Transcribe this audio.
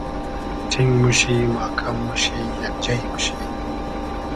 ݖینگ موشی, ماکئم موشی, یئگ جݷ موشی